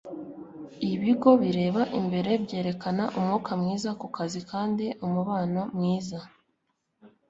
Ibigo bireba imbere byerekana umwuka mwiza kukazi kandi umubano mwiza